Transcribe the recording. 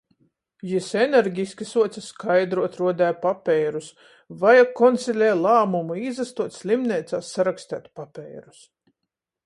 Jis energiski suoce skaidruot, ruodeja papeirus. Vajag konsileja lāmumu. Īsastuot slimneicā, saraksteit papeirus.